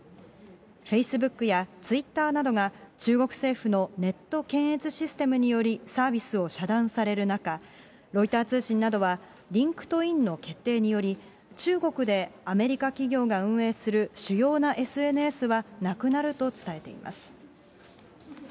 フェイスブックやツイッターなどが、中国政府のネット検閲システムによりサービスを遮断される中、ロイター通信などは、リンクトインの決定により、中国でアメリカ企業が運営する、主要なＳＮＳはなくなると伝えています。